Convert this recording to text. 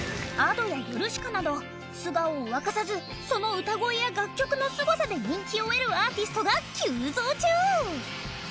Ａｄｏやヨルシカなど素顔を明かさずその歌声や楽曲のすごさで人気を得るアーティストが急増中。